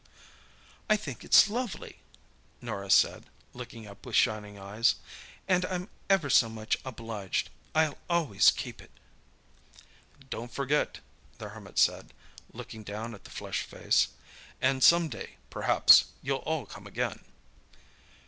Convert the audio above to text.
"I think it's lovely," Norah said, looking up with shining eyes, "and I'm ever so much obliged. I'll always keep it." "Don't forget," the Hermit said, looking down at the flushed face. "And some day, perhaps, you'll all come again."